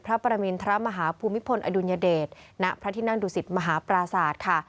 พระประมิณฑะมหาภูมิพลอดุญเดชณพระธินั่งดูสิทธิ์มหาปราศาสตร์ค่ะ